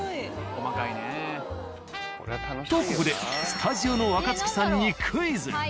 細かいね。とここでスタジオの若槻さんにクイズ。